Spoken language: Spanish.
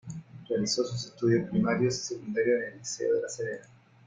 Realizó sus estudios primarios y secundarios en el Liceo de La Serena.